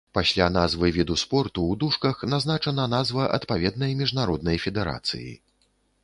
Пасля назвы віду спорту ў дужках назначана назва адпаведнай міжнароднай федэрацыі.